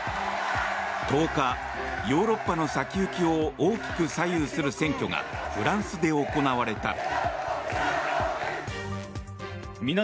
１０日、ヨーロッパの先行きを大きく左右する選挙がフランスで行われた。